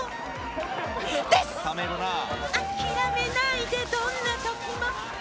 諦めないでどんなときも。